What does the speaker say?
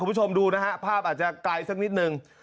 คุณผู้ชมดูนะฮะภาพอาจจะไกลสักนิดนึง